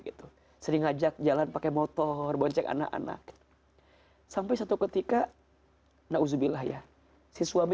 gitu sering ajak jalan pakai motor bonceng anak anak sampai satu ketika ⁇ nauzubillah ya si suami